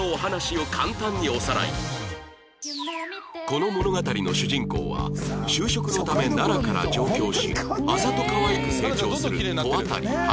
この物語の主人公は就職のため奈良から上京しあざと可愛く成長する戸渡花